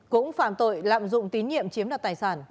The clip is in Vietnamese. cũng phạm tội lạm dụng tín nhiệm chiếm đoạt tài sản